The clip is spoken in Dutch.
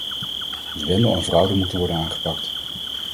Zwendel en fraude moeten worden aangepakt.